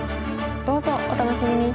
どうぞお楽しみに！